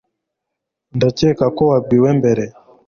ndakeka ko wabwiwe mbere